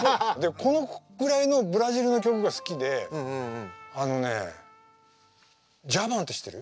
このぐらいのブラジルの曲が好きであのねＤｊａｖａｎって知ってる？